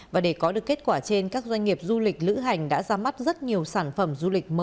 và để có được kết quả trên các doanh nghiệp du lịch lữ hành đã ra mắt rất nhiều sản phẩm du lịch mới đa dạng hấp dẫn